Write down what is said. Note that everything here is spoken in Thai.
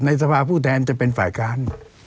สภาผู้แทนจะเป็นฝ่ายค้าน